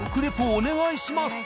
お願いします。